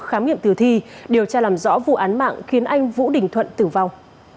khám nghiệm tử thi điều tra làm rõ vụ án mạng khiến anh vũ đình thuận tử vong